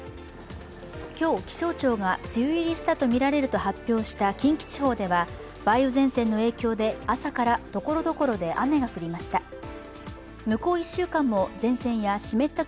今日気象庁が梅雨入りしたとみられると発表した近畿地方では梅雨前線の影響で朝からところどころで雨が降りました。